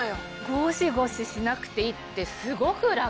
ゴシゴシしなくていいってすごく楽！